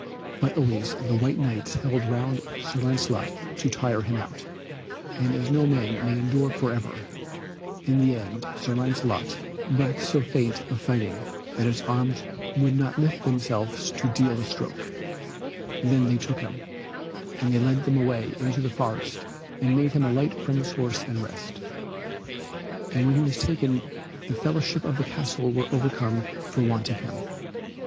But always the white Knights held round Sir Lancelot to tire him out. And as no man may endure for ever, in the end Sir Lancelot waxed so faint of fighting that his arms would not lift themselves to deal a stroke; then they took him, and led him away into the forest and made him alight from his horse and rest, and when he was taken the fellowship of the castle were overcome for want of him.